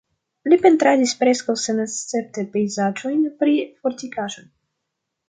Li pentradis preskaŭ senescepte pejzaĝojn pri fortikaĵoj.